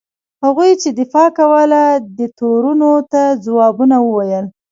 هغوی چې دفاع کوله دې تورونو ته ځوابونه وویل.